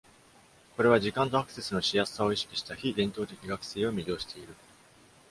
これは、時間とアクセスのしやすさを意識した非伝統的学生を魅了している。